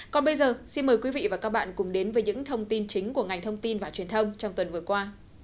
còn bây giờ xin mời quý vị và các bạn cùng đến với những thông tin chính của ngành thông tin và truyền thông trong tuần vừa qua